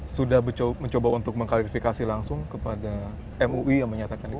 sudah mencoba untuk mengklarifikasi langsung kepada mui yang menyatakan itu